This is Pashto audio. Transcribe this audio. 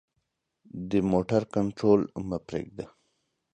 د موټر کنټرول مه پریږده.